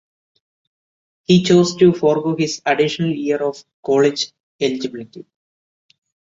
He chose to forgo his additional year of college eligibility.